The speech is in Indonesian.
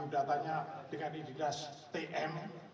dengan ididas tm